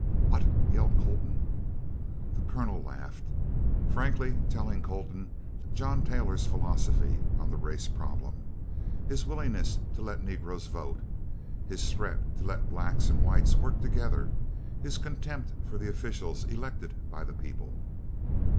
"What!" yelled Colton. The Colonel laughed, frankly telling Colton John Taylor's philosophy on the race problem, his willingness to let Negroes vote; his threat to let blacks and whites work together; his contempt for the officials elected by the people.